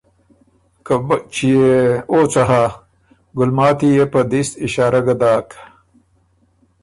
که ” بچيې ــ ې ــ ې ــ او څه هۀ؟ “ ګلماتی يې په دِست اشارۀ ګۀ داک